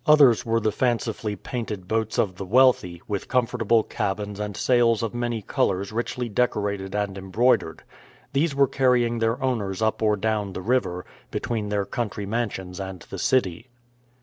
Others were the fancifully painted boats of the wealthy, with comfortable cabins and sails of many colors richly decorated and embroidered. These were carrying their owners up or down the river, between their country mansions and the city.